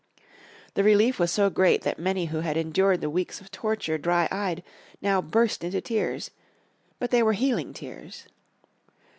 The relief was so great that many who had endured the weeks of torture dry eyed now burst into tears. But they were healing tears.